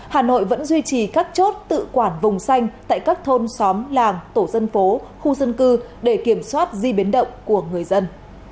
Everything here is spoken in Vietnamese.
hà nội vẫn duy trì các chốt tự quản vùng xanh tại các thôn xóm làng tổ dân phố khu dân cư để kiểm soát di biến động của người dân